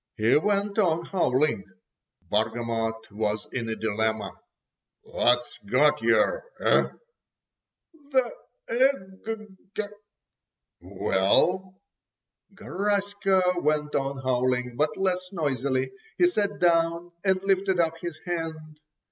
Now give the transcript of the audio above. He went on howling. Bargamot was in a dilemma. "What's got yer, eh?" "The eg—g." "Well?" Garaska went on howling, but less noisily, he sat down and lifted up his hand.